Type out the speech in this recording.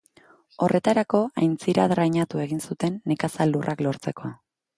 Horretarako aintzira drainatu egin zuten nekazal lurrak lortzeko.